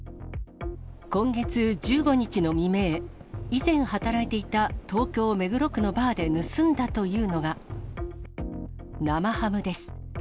今月１５日の未明、以前、働いていた東京・目黒区のバーで盗んだというのが、生ハムです。